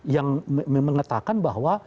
yang mengatakan bahwa